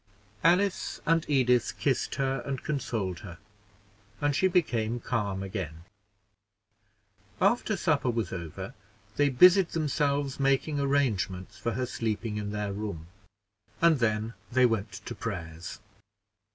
Alice and Edith kissed her and consoled her, and she became calm again. After supper was over, they busied themselves making arrangements for her sleeping in their room, and then they went to prayers.